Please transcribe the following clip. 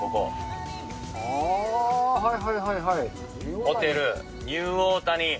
ああ、はいはいはいはい。